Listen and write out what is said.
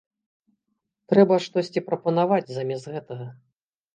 Трэба штосьці прапанаваць замест гэтага.